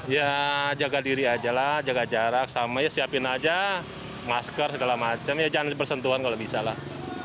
ya jaga diri aja lah jaga jarak sama ya siapin aja masker segala macam ya jangan bersentuhan kalau bisa lah